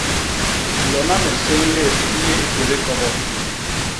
Lona me séñlét i yé ikédé kobot!